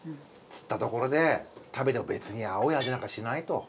つったところで食べても別に青い味なんかしないと。